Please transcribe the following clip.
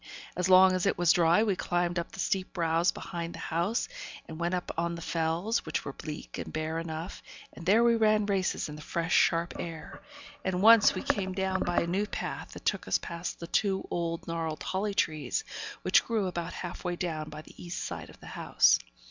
As long as it was dry, we climbed up the steep brows behind the house, and went up on the Fells, which were bleak and bare enough, and there we ran races in the fresh, sharp air; and once we came down by a new path, that took us past the two old gnarled holly trees, which grew about half way down by the east side of the house.